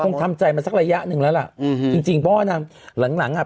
คงทำใจมาสักระยะหนึ่งแล้วล่ะอืมจริงจริงเพราะว่านางหลังหลังอ่ะ